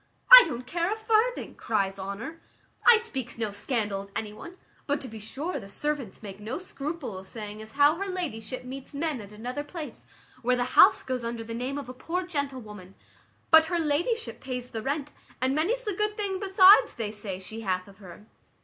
"I don't care a farthing," cries Honour, "I speaks no scandal of any one; but to be sure the servants make no scruple of saying as how her ladyship meets men at another place where the house goes under the name of a poor gentlewoman; but her ladyship pays the rent, and many's the good thing besides, they say, she hath of her."